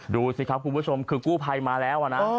ดูสิครับคุณผู้ชมคือกู้ภัยมาแล้วนะ